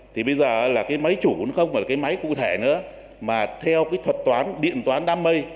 thì bây giờ là cái máy chủ nó không phải là cái máy cụ thể nữa mà theo cái thuật toán điện toán đám mây